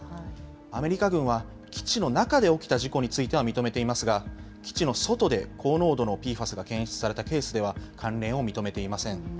アメリカ軍は、基地の中で起きた事故については認めていますが、基地の外で高濃度のＰＦＡＳが検出されたケースでは、関連を認めていません。